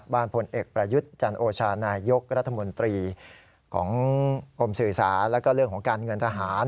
พลเอกประยุทธ์จันโอชานายกรัฐมนตรีของกรมสื่อสารแล้วก็เรื่องของการเงินทหาร